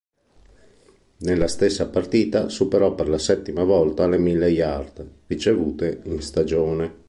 Nella stessa partita superò per la settima volta le mille yard ricevute in stagione.